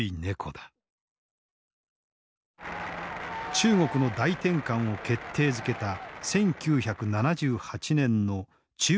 中国の大転換を決定づけた１９７８年の中央委員会全体会議。